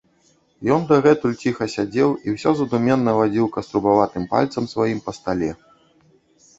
Ён дагэтуль ціха сядзеў і ўсё задуменна вадзіў каструбаватым пальцам сваім па стале.